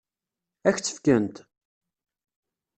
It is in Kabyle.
Ad k-tt-fkent?